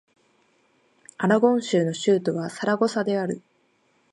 アラゴン州の州都はサラゴサである